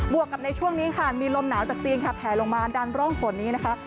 วกกับในช่วงนี้ค่ะมีลมหนาวจากจีนค่ะแผลลงมาดันร่องฝนนี้นะคะ